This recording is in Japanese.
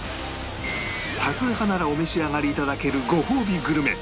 多数派ならお召し上がり頂けるごほうびグルメ